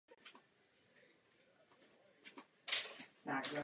Půda je omezeným a neobnovitelným přírodním zdrojem.